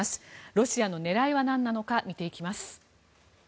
ロシアの狙いはなんなのか見ていきます。